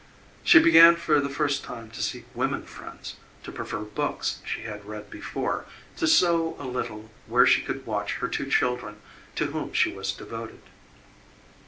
She began for the first time to seek women friends, to prefer books she had read before, to sew a little where she could watch her two children to whom she was devoted.